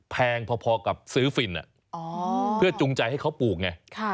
แพงพอกับซื้อฟินเพื่อจุงใจให้เขาปลูกไง